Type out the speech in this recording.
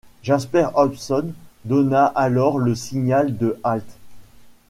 Jasper Hobson donna alors le signal de halte.